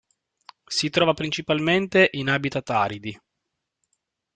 Si trova principalmente in habitat aridi.